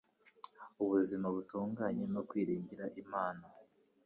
ubuzima butunganye, no kwiringira Imana